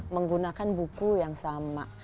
menggunakan buku yang sama